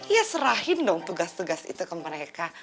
ya serahin dong tugas tugas itu ke mereka